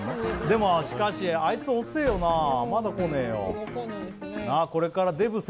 「でもしかし」「あいつ遅えよなあまだ来ねえよ」